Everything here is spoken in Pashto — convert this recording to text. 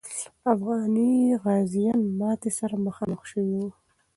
افغاني غازیان ماتي سره مخامخ سوي وو.